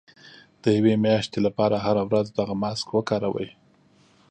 د يوې مياشتې لپاره هره ورځ دغه ماسک وکاروئ.